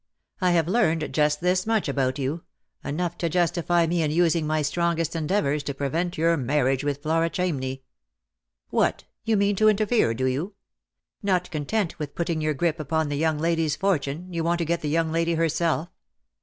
" I have learned just this much about you — enough to justify me in using my strongest endeavours to prevent your marriage with Flora Chamney." " What, you mean to interfere, do you ! Not content with putting your grip upon the young lady's fortune, you want to get the young lady herself.